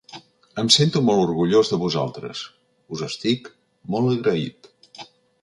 Em sento molt orgullós de vosaltres, us estic molt agraït.